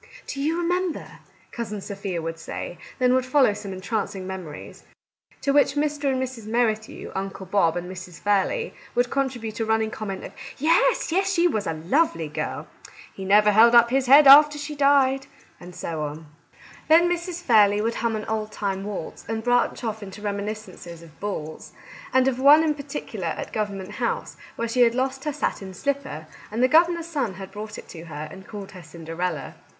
"Do you remember —" Cousin Sophia would say ; then would follow some entrancing memories, to which Mr. and Mrs. Merrithew, Uncle Bob, and Mrs. Fairley would contribute a running comment of " Yes, yes ! she was a lovely girl !"" He never held up his head after she died !" and so on. Our Little Canadian Cousin 97 Then Mrs. Fairley would hum an old time waltz, and branch off into reminiscences of balls, — and of one in particular at Govern ment House, where she had lost her satin slipper, and the governor's son had brought it to her, and called her Cinderella.